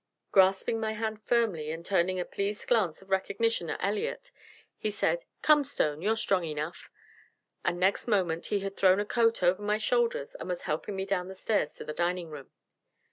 Grasping my hand firmly and turning a pleased glance of recognition at Elliott, he said, "Come, Stone, you're strong enough"; and next moment he had thrown a coat over my shoulders and was helping me down the stairs to the dining room.